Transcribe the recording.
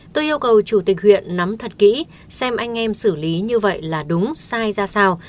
tôi yêu cầu chủ tịch huyện nắm thật kỹ xem anh em xử lý như vậy là đúng sai ra sao